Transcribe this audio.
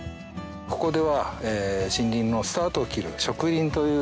ここでは森林のスタートを切る。